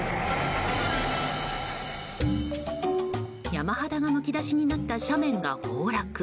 山肌がむき出しになった斜面が崩落。